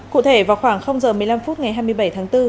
cụ thể vào khoảng giờ một mươi năm phút ngày hai mươi bảy tháng bốn